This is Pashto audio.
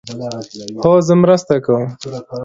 هو، زه مرسته کوم